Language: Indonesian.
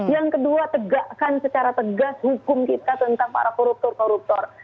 yang kedua tegakkan secara tegas hukum kita tentang para koruptor koruptor